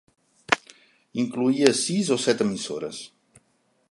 Incloïa sis o set emissores.